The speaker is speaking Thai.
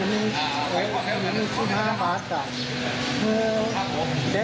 อ่าข้ายาตราเธอ